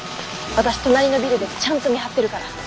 私隣のビルでちゃんと見張ってるから。